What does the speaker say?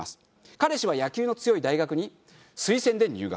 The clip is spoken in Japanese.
彼氏は野球の強い大学に推薦で入学。